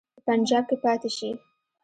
په پنجاب کې پاته شي.